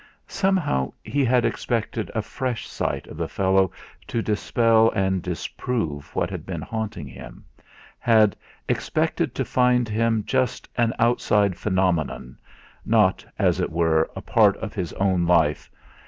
Somehow he had expected a fresh sight of the fellow to dispel and disprove what had been haunting him, had expected to find him just an outside phenomenon, not, as it were, a part of his own life.